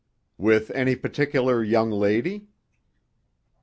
"With any particular young lady?"